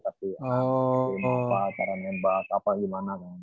tapi apa cara nembak apa gimana kan